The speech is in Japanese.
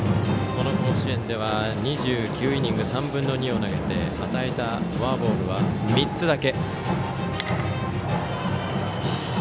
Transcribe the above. この甲子園では２９イニング３分の２を投げて与えたフォアボールは３つだけ。